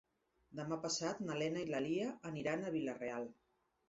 Demà passat na Lena i na Lia aniran a Vila-real.